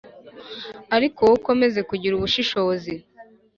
Ariko wowe ukomeze kugira ubushishozi